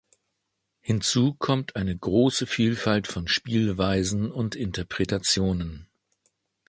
Hinzu kommt eine große Vielfalt von Spielweisen und Interpretationen.